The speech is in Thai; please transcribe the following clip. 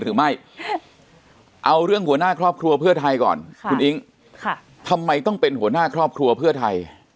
หรือไม่เอาเรื่องหัวหน้าครอบครัวเพื่อไทยก่อนคุณอิ๊งทำไมต้องเป็นหัวหน้าครอบครัวเพื่อไทย